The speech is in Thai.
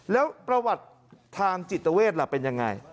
แล้วประวัติทางจิตเวทเป็นอย่างไร